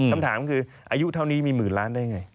คำถามคืออายุเท่านี้มี๑๐๐๐๐๐๐๐ได้ไง